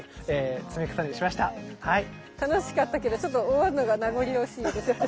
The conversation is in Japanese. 楽しかったけどちょっと終わるのが名残惜しいです私。